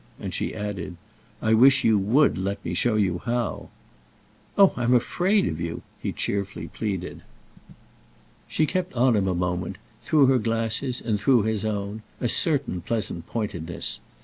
And she added: "I wish you would let me show you how!" "Oh I'm afraid of you!" he cheerfully pleaded. She kept on him a moment, through her glasses and through his own, a certain pleasant pointedness.